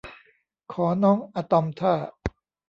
ขอน้องอะตอมท่า